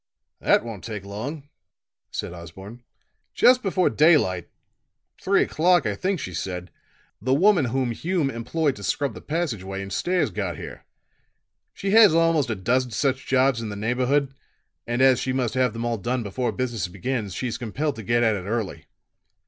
"That won't take long," said Osborne. "Just before daylight three o'clock, I think she said the woman whom Hume employed to scrub the passage way and stairs got here. She has almost a dozen such jobs in the neighborhood, and as she must have them all done before business begins, she's compelled to get at it early.